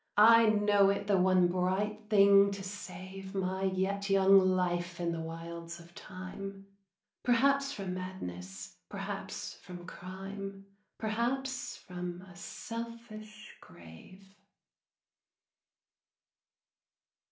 I know it the one bright thing to save My yet young life in the wilds of Time, Perhaps from madness, perhaps from crime, Perhaps from a selfish grave.